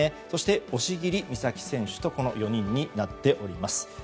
そして押切美沙紀選手とこの４人になっております。